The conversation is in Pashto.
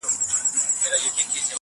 هم په تېښته کي چالاک هم زورور وو!